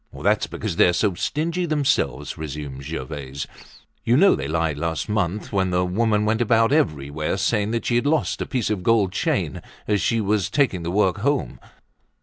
"That's because they're so stingy themselves!" resumed Gervaise. "You know they lied last month when the woman went about everywhere saying that she had lost a piece of gold chain as she was taking the work home.